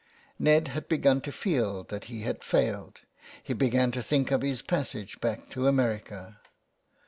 Ned had begun to feel that he had failed, he began to think of his passage back to America.